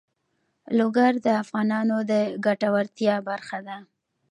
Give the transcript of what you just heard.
لوگر د افغانانو د ګټورتیا برخه ده.